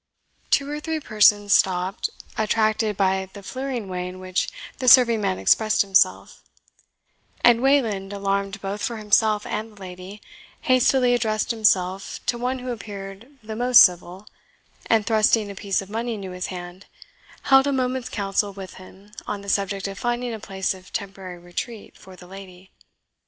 Two or three persons stopped, attracted by the fleering way in which the serving man expressed himself; and Wayland, alarmed both for himself and the lady, hastily addressed himself to one who appeared the most civil, and thrusting a piece of money into his hand, held a moment's counsel with him on the subject of finding a place of temporary retreat for the lady.